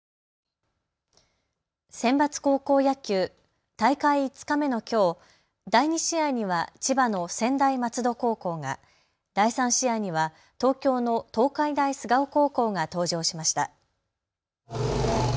センバツ高校野球、大会５日目のきょう、第２試合には千葉の専大松戸高校が、第３試合には東京の東海大菅生高校が登場しました。